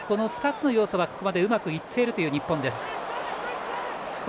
２つの要素はここまでうまくいっている日本です。